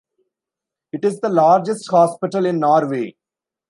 It is the largest hospital in Norway.